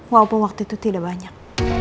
walaupun waktu itu tidak banyak